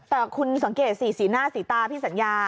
แต่คุณสังเกตสิสีหน้าสีตาพี่สัญญา